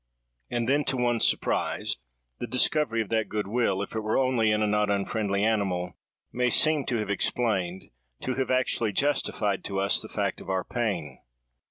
And then, to one's surprise, the discovery of that goodwill, if it were only in a not unfriendly animal, may seem to have explained, to have actually justified to us, the fact of our pain.